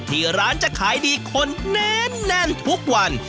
ที่ร้านจะขายดีคนแน่นทุกวัน